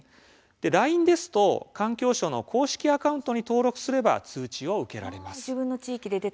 ＬＩＮＥですと環境省の公式アカウントに登録すれば通知を受けられます。